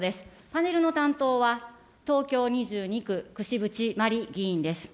パネルの担当は東京２２区、櫛渕万里議員です。